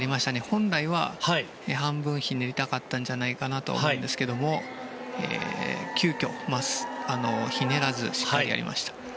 本来は、半分ひねりたかったんじゃないかと思うんですけども急きょ、ひねらずにしっかりやりました。